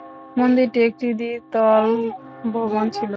মন্দিরটি একটি দ্বিতল ভবন ছিল।